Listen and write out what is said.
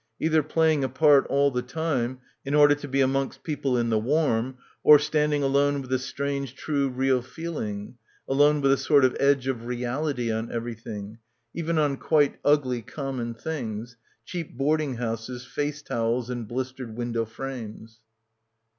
Either playing a part all the time in order to be amongst people in the warm or stand ing alone with the strange true real feeling — alone with a sort of edge of reality on everything; even on quite ugly common things — cheap board ing houses, face towels and blistered window frames.